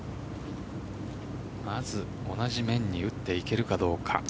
まず同じ面に打っていけるかどうか。